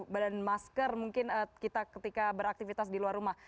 badan masker mungkin kita ketika beraktivitas di luar rumah